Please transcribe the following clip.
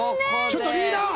ちょっとリーダー！